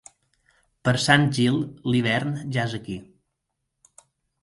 Per Sant Gil, l'hivern ja és aquí.